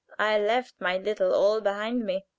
I left my little all behind me."